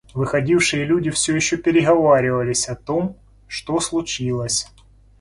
Выходившие люди всё еще переговаривались о том, что случилось.